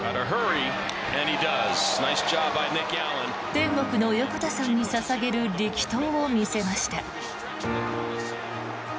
天国の横田さんに捧げる力投を見せました。